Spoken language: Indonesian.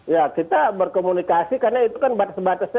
ya kita berkomunikasi karena itu kan batas batasnya